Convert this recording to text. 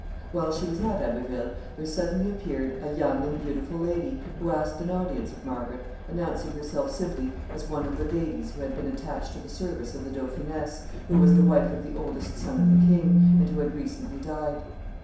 While she was at Abbeville, there suddenly appeared a young and beautiful lady who asked an audience of Margaret, announcing herself simply as one of the ladies who had been attached to the service of the dauphiness, who was the wife of the oldest son of the king, and who had recently died.